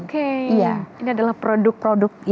oke ini adalah produk produk